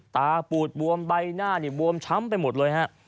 ตาปูดว่มใบหน้าววมช้ำไปหมดเลย